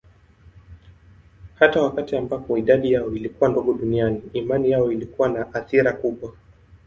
Hata wakati ambapo idadi yao ilikuwa ndogo duniani, imani yao ilikuwa na athira kubwa.